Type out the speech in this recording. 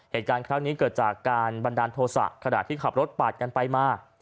เหตุการณ์ครั้งนี้เกิดจากการบันดาลโทษะขณะที่ขับรถปาดกันไปมา